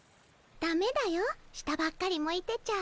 だめだよ下ばっかり向いてちゃ。